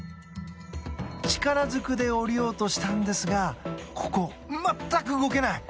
力ずくで下りようとしたんですがここ、全く動けない。